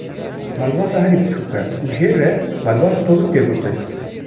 Malbata herî biçûk e û jê re malbata tovik tê gotin.